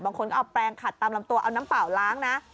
บางคนก็เอาแปลงขัดตามลำตัวเอาน้ำเปล่าล้างนะ